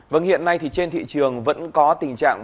vâng hiện nay thì trên thị trường vẫn có tình trạng